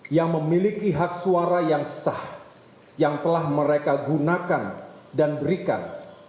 yang memiliki hak suara yang sah yang telah mereka gunakan dan berikan